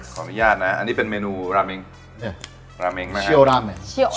ขออนุญาตนะอันนี้เป็นเมนูราเมงราเมงนะครับชิโอราเมง